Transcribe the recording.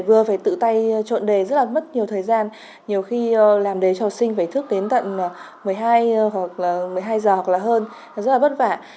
vừa phải tự tay trộn đề rất là mất nhiều thời gian nhiều khi làm đề trò sinh phải thức đến tận một mươi hai giờ hoặc là hơn rất là bất vả